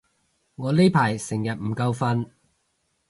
我呢排成日唔夠瞓